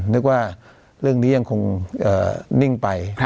นึกว่าเรื่องนี้ยังคงนิ่งไป